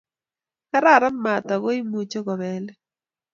Kararan maat aku imuchi kobelin